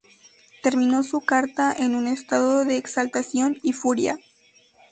terminó su carta en un estado de exaltación y furia